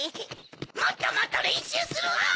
もっともっとれんしゅうするアン！